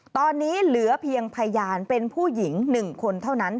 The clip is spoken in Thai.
ตอนนี้เหลือเพียงพยานเป็นผู้หญิง๑คนเท่านั้น